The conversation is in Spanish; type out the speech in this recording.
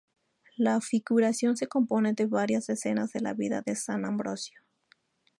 La figuración se compone de varias escenas de la vida de san Ambrosio.